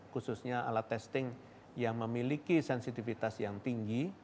khususnya alat testing yang memiliki sensitivitas yang tinggi